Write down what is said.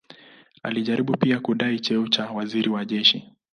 Alijaribu pia kudai cheo cha waziri wa jeshi.